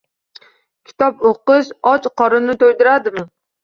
Kitob oʻqish och qorinni toʻydiradimi?